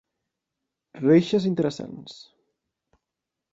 Reixes interessants.